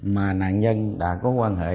mà nạn nhân đã có quan hệ